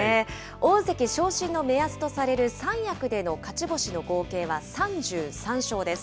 大関昇進の目安とされる三役での勝ち星の合計は３３勝です。